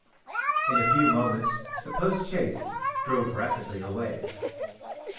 In a few moments the post chaise drove rapidly away.